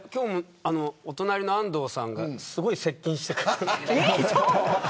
お隣の安藤さんがすごい接近してくる。